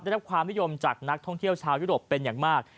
ได้รับความนิยมจากนักท่องเที่ยวชาวยุโรปเป็นอย่างมาก